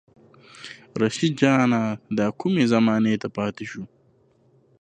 رشيد جانه دا کومې زمانې ته پاتې شو